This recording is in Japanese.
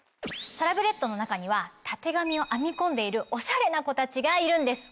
サラブレッドの中にはたてがみを編み込んでいるおしゃれな子たちがいるんです！